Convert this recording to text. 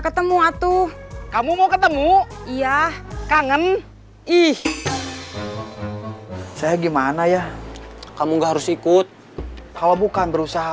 ketemu aku kamu mau ketemu iya kangen ih saya gimana ya kamu nggak harus ikut kalau bukan berusaha